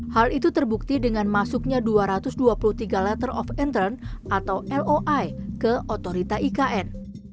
hal itu terbukti dengan masuknya dua ratus dua puluh tiga letter of intern atau loi ke otorita ikn